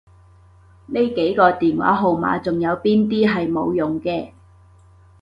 呢幾個電話號碼仲有邊啲係冇用嘅？